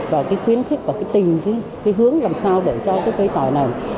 và cái khuyến khích và cái tìm cái hướng làm sao để cho cái cây tỏi này